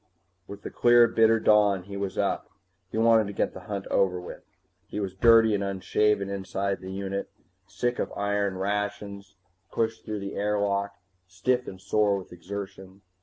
With the clear bitter dawn he was up. He wanted to get the hunt over with. He was dirty and unshaven inside the unit, sick of iron rations pushed through the airlock, stiff and sore with exertion.